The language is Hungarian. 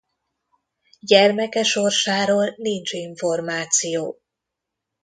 Gyermeke sorsáról nincs információ.